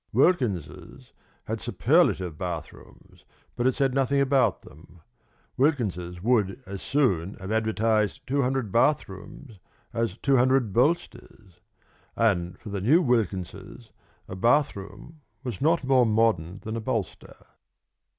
Wilkins's had superlative bathrooms, but it said nothing about them. Wilkins's would as soon have advertised two hundred bathrooms as two hundred bolsters; and for the new Wilkins's a bathroom was not more modern than a bolster.)